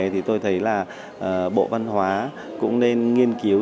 thì tôi thấy là bộ văn hóa cũng nên nghiên cứu